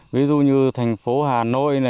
ví dụ như thành phố hà nội